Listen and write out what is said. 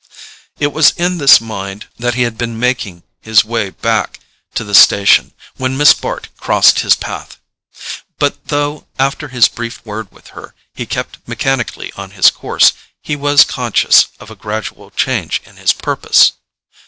It was in this mind that he had been making his way back to the station when Miss Bart crossed his path; but though, after his brief word with her, he kept mechanically on his course, he was conscious of a gradual change in his purpose.